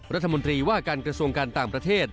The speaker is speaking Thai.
รัฐมนตรีว่าการกระทรวงการต่างประเทศ